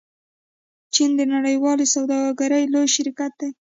چین د نړیوالې سوداګرۍ لوی شریک دی.